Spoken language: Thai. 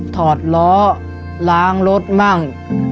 ถอดล้อล้างรถมั่ง